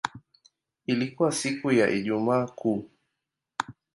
Ilikuwa siku ya Ijumaa Kuu.